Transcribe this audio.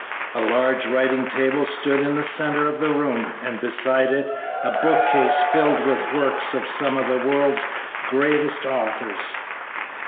A large writing table stood in the centre of the room, and beside it a bookcase filled with the works of some of the world's greatest authors.